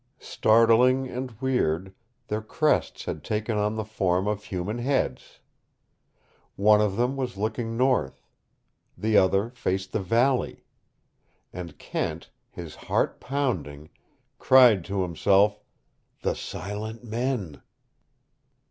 Startling and weird, their crests had taken on the form of human heads. One of them was looking north. The other faced the valley. And Kent, his heart pounding, cried to himself, "The Silent Men!"